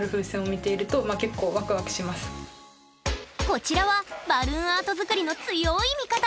こちらはバルーンアート作りの強い味方！